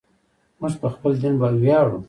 موږ په خپل دین ویاړو.